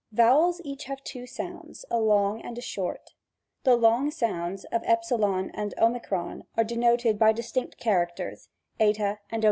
Vowels have each two sounds, a long and a short. The long sounds of s and o are denoted by distinct charac ters, 1/ and <o.